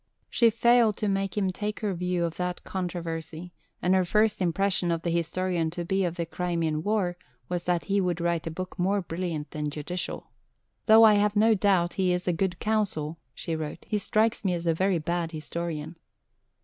She failed to make him take her view of that controversy, and her first impression of the historian to be of the Crimean War was that he would write a book more brilliant than judicial. "Though I have no doubt he is a good counsel," she wrote, "he strikes me as a very bad historian."